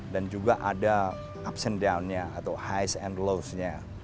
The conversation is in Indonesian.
dan juga ada ups and down nya atau highs and lows nya